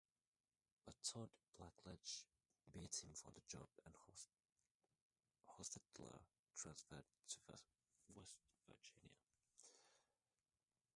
But Todd Blackledge beat him for the job, and Hostetler transferred to West Virginia.